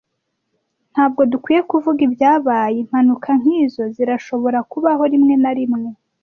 Ntabwo dukwiye kuvuga ibyabaye? Impanuka nkizo zirashobora kubaho rimwe na rimwe.